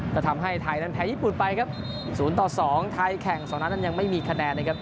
ทำให้ไทยนั้นแพ้ญี่ปุ่นไปครับ๐ต่อ๒ไทยแข่ง๒นัดนั้นยังไม่มีคะแนนนะครับ